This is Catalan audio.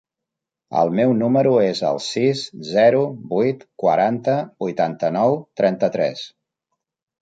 El meu número es el sis, zero, vuit, quaranta, vuitanta-nou, trenta-tres.